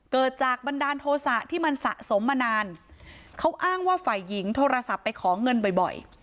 เกิดจากบันดาลโทษะที่มันสะสมมานานเขาอ้างว่าฝ่ายหญิงโทรศัพท์ไปขอเงินบ่อย